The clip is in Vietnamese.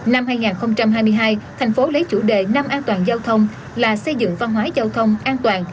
năm hai nghìn hai mươi hai thành phố lấy chủ đề năm an toàn giao thông là xây dựng văn hóa giao thông an toàn